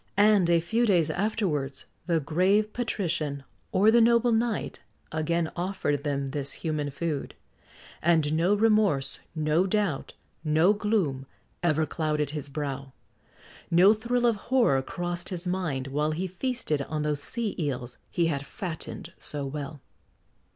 And a few days afterwards, the grave patrician, or the noble knight, again offered them this human food; and no remorse, no doubt, no gloom, ever clouded his brow; no thrill of horror crossed his mind, while he feasted on those sea eels he had fattened so well.